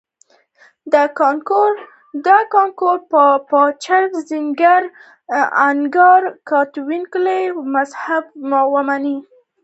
د کانګو پاچا نزینګا ا نکؤو کاتولیک مذهب ومانه.